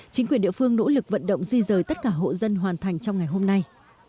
chính quyền địa phương nỗ lực vận động di rời tất cả hộ dân hoàn thành trong ngày hôm nay